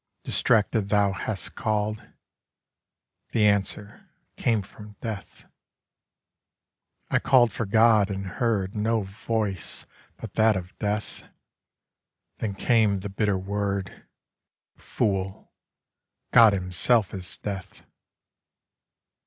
Distracted thou hast call'd; The Answer came from Death. I call'd for God and heard No voice but that of Death: Then came the bitter word, 'Fool, God himself is Death.